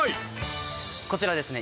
こちらですね